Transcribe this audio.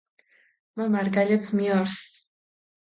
მა მარგალეფ მიორს